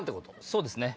そうですね。